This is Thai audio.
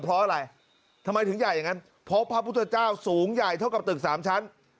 เพราะอะไรทำไมถึงใหญ่อย่างนั้นพบพระพุทธเจ้าสูงใหญ่เท่ากับตึกสามชั้น